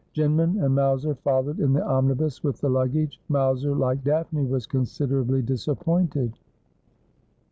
Jin man and Mowser followed in the omnibus with the luggage. Mowser, like Daphne, was considerably disappointed.